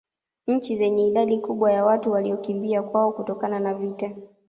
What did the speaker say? Nchi zenye idadi kubwa ya watu waliokimbia kwao kutokana na vita